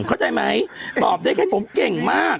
เข้าใจไหมตอบได้แค่ผมเก่งมาก